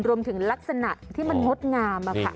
รวมถึงลักษณะที่มันงดงาม